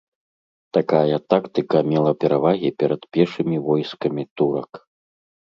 Такая тактыка мела перавагі перад пешымі войскамі турак.